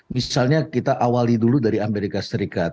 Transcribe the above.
misalnya kita awali dulu dari amerika serikat